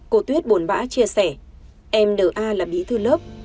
cô tuyết buồn bã chia sẻ em nna là bí thư lớp